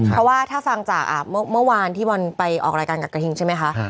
เพราะว่าถ้าฟังจากเมื่อวานที่บอลไปออกรายการกับกระทิงใช่ไหมคะ